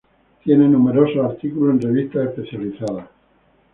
Tiene numerosos artículos en revistas especializadas.